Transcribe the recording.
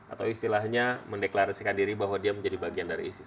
atau istilahnya mendeklarasikan diri bahwa dia menjadi bagian dari isis